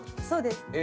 そうです。